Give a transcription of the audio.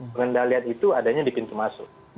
pengendalian itu adanya di pintu masuk